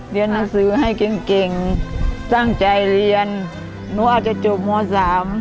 เรียนหนังสือให้เก่งเก่งตั้งใจเรียนหนูอาจจะจบมสาม